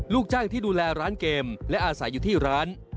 ลูกจ้างที่ดูแลร้านเกมและอาศัยอยู่ที่ร้าน